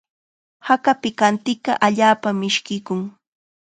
Haka pikantiqa allaapam mishkiykun.